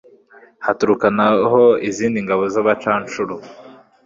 haturuka na ho izindi ngabo z'abacancuro